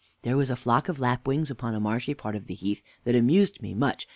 W. There was a flock of lapwings upon a marshy part of the heath, that amused me much.